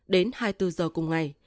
đến hai mươi bốn h cùng ngày